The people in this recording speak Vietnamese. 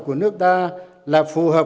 của nước ta là phù hợp